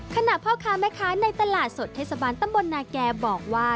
ขณะพ่อค้าแม่ค้าในตลาดสดเทศบาลตำบลนาแก่บอกว่า